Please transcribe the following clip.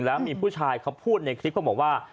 แล้วมีผู้ชายเขาพูดในคลิปเขาบอกว่า